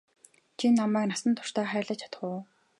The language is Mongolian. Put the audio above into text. Чи намайг насан туршдаа хайрлаж чадах уу?